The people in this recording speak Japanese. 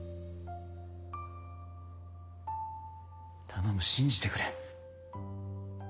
頼む信じてくれ。